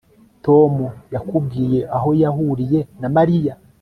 Tom yakubwiye aho yahuriye na Mariya